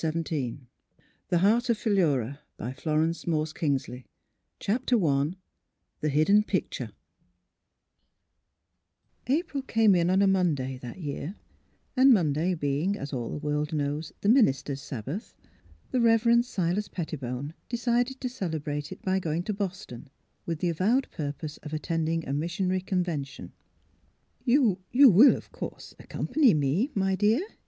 327 XXIX The Lord Gave 345 XXX MiLLY 355 THE HEART OF PHILURA CHAPTER I THE HIDDEN PICTURE April came in on a Monday that year ; and Mon day being, as all the world knows, the minister's Sabbath, the Reverend Silas Pettibone decided to celebrate it by going to Boston, with the avowed purpose of attending a missionary convention. You will — er — of course accompany me, my dear?